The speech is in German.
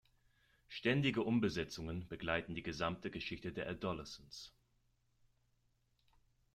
Ständige Umbesetzungen begleiten die gesamte Geschichte der Adolescents.